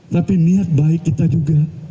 tapi niat baik kita juga